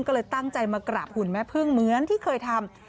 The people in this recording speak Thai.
ก็เลยตั้งใจมากราบหุ่นแม่พึ่งเหมือนที่เคยทำ